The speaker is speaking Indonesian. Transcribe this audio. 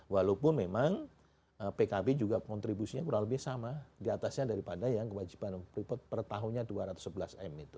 walaupun memang pkb juga kontribusinya kurang lebih sama diatasnya daripada yang kewajiban freeport per tahunnya dua ratus sebelas m itu